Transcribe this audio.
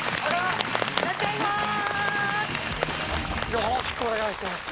よろしくお願いします